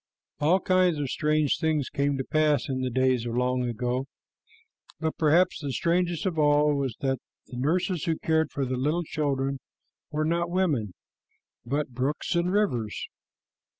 All kinds of strange things came to pass in the days of long ago, but perhaps the strangest of all was that the nurses who cared for little children were not women, but brooks and rivers.